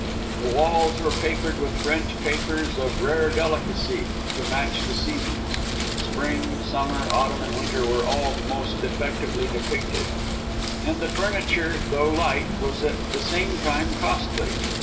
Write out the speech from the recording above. The walls were papered with French papers of rare delicacy to match the seasons; (spring, summer, autumn and winter were all most effectively depicted), and the furniture though light, was at the same time costly.